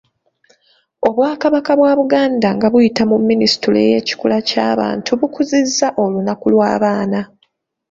Obwakabaka bwa Buganda nga buyita mu Minisitule y’ekikula ky’abantu bukuzizza olunaku lw’abaana.